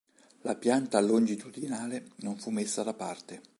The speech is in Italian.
La pianta longitudinale non fu messa da parte.